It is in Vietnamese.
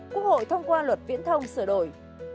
quốc hội thông qua luật viễn thông sửa đổi